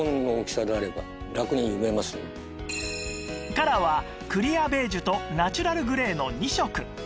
カラーはクリアベージュとナチュラルグレーの２色